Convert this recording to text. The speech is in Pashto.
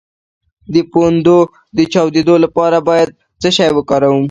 د پوندو د چاودیدو لپاره باید څه شی وکاروم؟